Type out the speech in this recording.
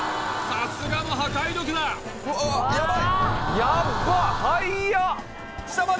さすがの破壊力だうわ